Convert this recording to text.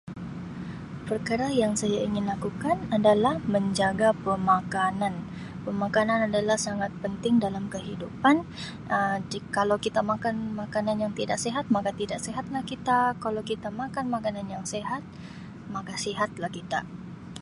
Perkara yang ingin saya lakukan adalah menjaga pemakanan, pemakanan adalah sangat penting dalam kehidupan Um jika Um kalau kita makan makanan yang tidak sihat maka tidak sihatlah kita kalau kita makan makanan yang sihat maka sihatlah kita.